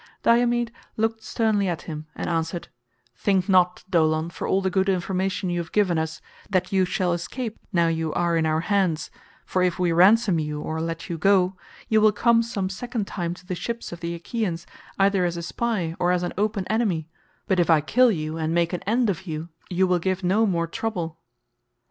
Diomed looked sternly at him and answered, "Think not, Dolon, for all the good information you have given us, that you shall escape now you are in our hands, for if we ransom you or let you go, you will come some second time to the ships of the Achaeans either as a spy or as an open enemy, but if I kill you and an end of you, you will give no more trouble."